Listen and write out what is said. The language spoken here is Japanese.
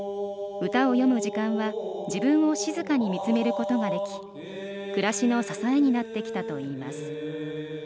歌を詠む時間は自分を静かに見つめることができ暮らしの支えになってきたといいます。